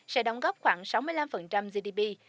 sẽ đóng góp khoảng sáu mươi năm gdp